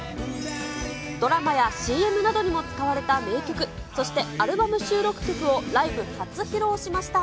ドラマやＣＭなどにも使われた名曲、そしてアルバム収録曲をライブ初披露しました。